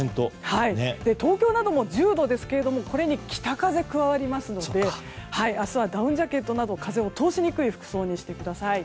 東京なども１０度ですがこれに北風が加わりますので明日はダウンジャケットなど風を通しにくい服装にしてください。